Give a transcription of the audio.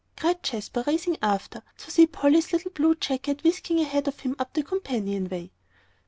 cried Jasper, racing after, to see Polly's little blue jacket whisking ahead of him up the companion way.